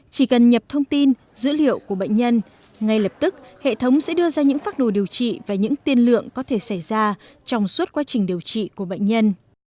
chỉ cần nhập thông tin dữ liệu của bệnh nhân ngay lập tức hệ thống sẽ đưa ra những phác đồ điều trị và những tiên lượng có thể xảy ra trong suốt quá trình điều trị của bệnh nhân